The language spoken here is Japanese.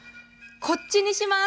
こっちにします。